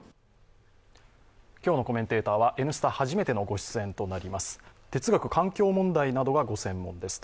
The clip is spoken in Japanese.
今日のコメンテーターは「Ｎスタ」初めてのご出演となります哲学・環境問題などがご専門です。